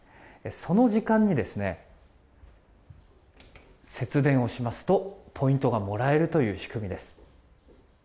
その時間に節電をしますとポイントがもらえるという仕組みです。